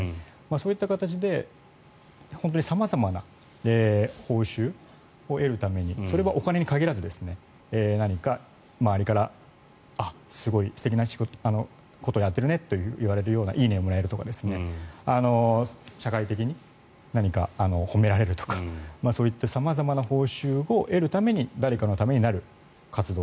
そういった形で様々な報酬を得るためにそれはお金に限らず何か周りからすごい素敵なことをやってるねと言われるような「いいね」をもらえるとか社会的に褒められるとかそういった様々な報酬を得るために誰かのためになる活動